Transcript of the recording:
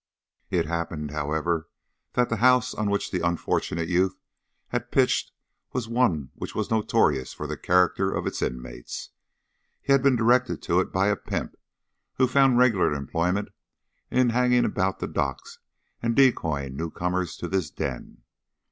It happened, however, that the house on which the unfortunate youth had pitched was one which was notorious for the character of its inmates. He had been directed to it by a pimp, who found regular employment in hanging about the docks and decoying new comers to this den.